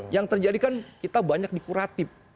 yang terjadi kan kita banyak dikuratif